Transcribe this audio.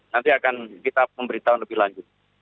nanti akan kita memberitahu lebih lanjut